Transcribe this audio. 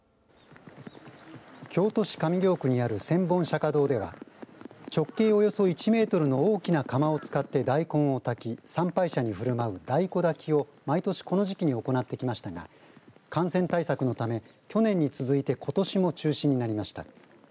京都市上京区にある千本釈迦堂では直径およそ１メートルの大きな釜を使って大根を炊き参拝者にふるまう大根だきを毎年、この時期に行ってきましたが感染対策のため、去年に続いてことしも中止になりました。